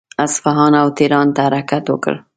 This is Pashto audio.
اصفهان او تهران ته حرکت وکړ.